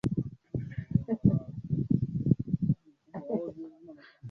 ameunga mkono maandamano hayo akisisitiza kuwa ni muhimu